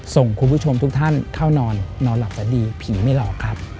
ส่งคุณผู้ชมทุกท่านเข้านอนนอนหลับฝันดีผีไม่หลอกครับ